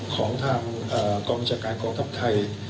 ของทางกองบัญชาการกองทัพไทย